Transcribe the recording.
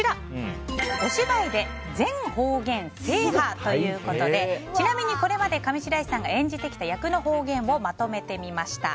お芝居で全方言制覇！ということでちなみにこれまで上白石さんが演じてきた役の方言をまとめてみました。